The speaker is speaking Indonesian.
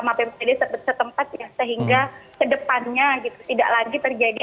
ya mungkin perlu berkoordinasi bersama pemcd setempat ya sehingga kedepannya tidak lagi terjadi